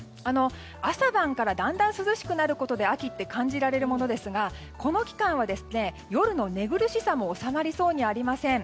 朝晩からだんだん涼しくなることで秋って感じられるものですがこの期間は夜の寝苦しさも収まりそうにありません。